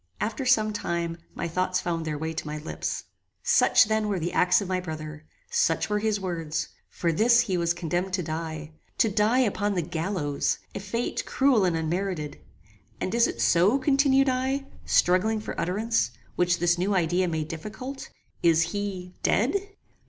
After some time, my thoughts found their way to my lips. Such then were the acts of my brother. Such were his words. For this he was condemned to die: To die upon the gallows! A fate, cruel and unmerited! And is it so? continued I, struggling for utterance, which this new idea made difficult; is he dead!